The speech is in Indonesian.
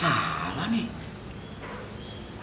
agak salah nih